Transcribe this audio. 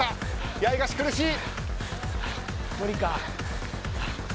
八重樫、苦しい。